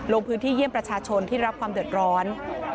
ลงพื้นที่เยี่ยมประชาชนที่รับความเดือดร้อน